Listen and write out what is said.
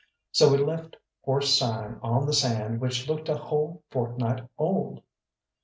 So we left horse sign on the sand which looked a whole fortnight old.